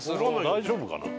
大丈夫かな？